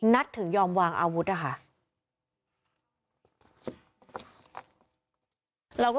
ถึงยอมวางอาวุธนะคะ